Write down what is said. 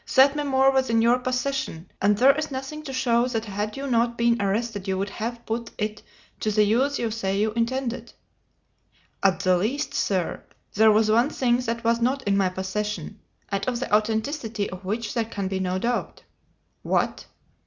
"That memoir was in your possession, and there is nothing to show that had you not been arrested, you would have put it to the use you say you intended." "At the least, sir, there was one thing that was not in my possession, and of the authenticity of which there can be no doubt." "What?"